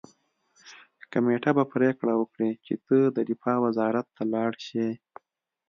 کمېټه به پریکړه وکړي چې ته دفاع وزارت ته لاړ شې